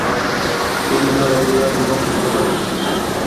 তিনি তার অভিনয় জীবন শুরু করেন।